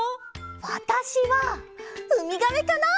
わたしはウミガメかな！